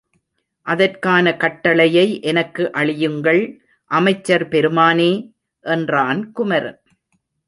அதற்கான கட்டளையை எனக்கு அளியுங்கள் அமைச்சர் பெருமானே! என்றான் குமரன்.